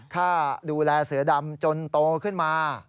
ค่าดูแลเสือดำจนโตขึ้นมา